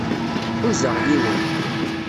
Ḥuzaɣ yiwen.